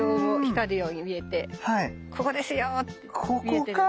ここですよって見えてるんだと思う。